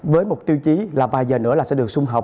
với một tiêu chí là vài giờ nữa sẽ được xung hợp